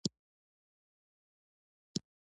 د دې ټولنې مرستیالان د نړۍ مشهور پروفیسوران دي.